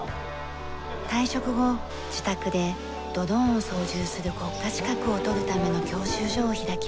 退職後自宅でドローンを操縦する国家資格を取るための教習所を開きました。